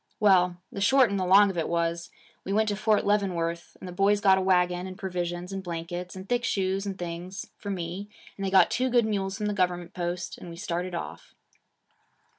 Well, the short and the long of it was, we went to Fort Leavenworth, and the boys got a wagon and provisions and blankets and thick shoes and things for me, and they got two good mules from the government post, and we started off.'